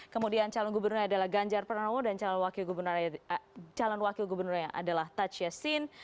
kemudian calon gubernur adalah ganjar pranowo dan calon wakil gubernur adalah tadj yassin